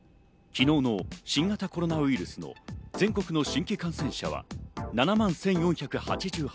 昨日の新型コロナウイルスの全国の新規感染者は７万１４８８人。